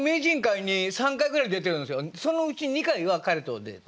そのうち２回は彼と出た。